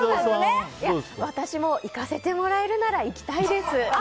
私も行かせてもらえるなら行きたいです。